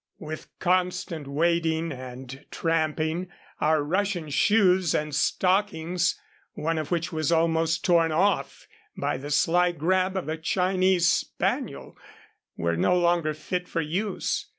With constant wading and tramping, our Russian shoes and stockings, one of which was almost torn off by the sly grab of a Chinese spaniel, were no longer fit for use.